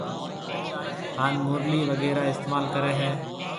هانَ مُرلِي وغيره استعمال ڪريَ هيَ